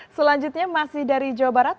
selanjutnya masih dari jawa barat